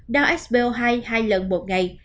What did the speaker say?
đo spo hai hai lần một ngày